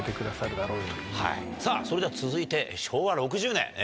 それでは続いて昭和６０年。